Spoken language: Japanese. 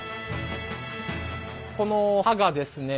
この刃がですね